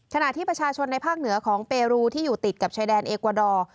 ขณะที่ประชาชนในภาคเหนือของเปรูที่อยู่ติดกับชายแดนเอกวาดอร์